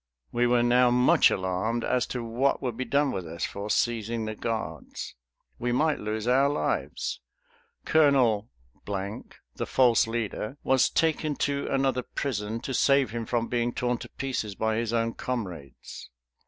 We were now much alarmed as to what would be done with us for seizing the guards. We might lose our lives. Colonel , the false leader, was taken to another prison to save him from being torn to pieces by his own comrades.